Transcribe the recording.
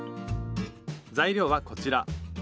材料はこちら。